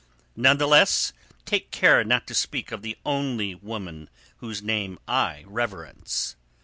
None the less, take care not to speak of the only woman whose name I reverence."